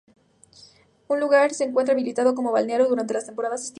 El lugar se encuentra habilitado como balneario durante las temporadas estivales.